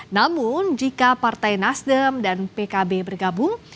namun jika partai nasdem dan pkb bergabung